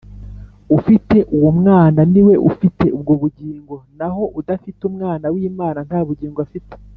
Ufite uwo Mwana ni we ufite ubwo bugingo: naho udafite Umwana w'Imana nta bugingo afite.